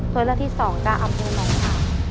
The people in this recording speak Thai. ตัวเลือกที่๒อำเภอน้องฉาง